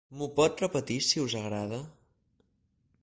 M'ho pot repetir, si us agrada?